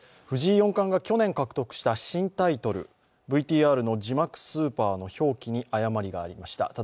藤井四冠が去年獲得した新タイトル、ＶＴＲの字幕スーパーの表記に誤りがありました。